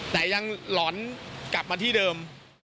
แต่ยังหลอนกลับมาที่เดิม